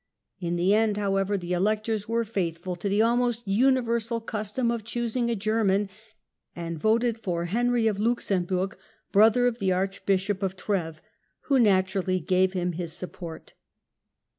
In the end, however, the Electors were faithful to the almost universal custom of choosing a German, and voted for Henry of Luxemburg, brother of the Archbishop of Treves, who naturally gave him his support.